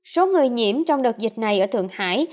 số người nhiễm trong đợt dịch này ở thượng hải